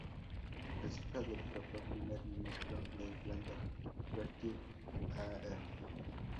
Es hija del que fue Primer Ministro de Irlanda, Bertie Ahern.